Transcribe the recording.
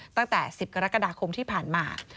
ตั้งแต่๑๐กรกฎาคมที่ผ่านมา